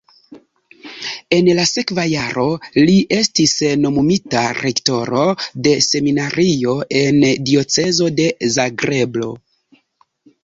En la sekva jaro li estis nomumita rektoro de seminario en diocezo de Zagrebo.